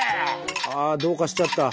あどうかしちゃった。